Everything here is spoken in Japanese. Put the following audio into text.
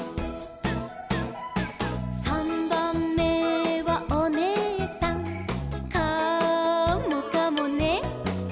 「さんばんめはおねえさん」「カモかもね」